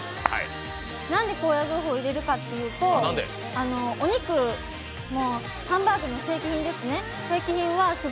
何で高野豆腐を入れるかっていうとお肉はハンバーグの正規品ですね。